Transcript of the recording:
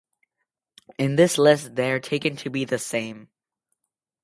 In this list, they are taken to be the same.